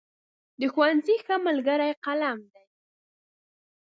د ښوونځي ښه ملګری قلم دی.